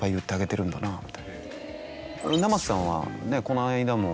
生瀬さんはこの間も。